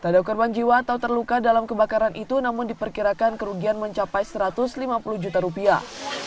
tak ada korban jiwa atau terluka dalam kebakaran itu namun diperkirakan kerugian mencapai satu ratus lima puluh juta rupiah